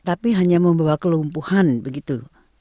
tapi hanya membawa kelumpuhan begitu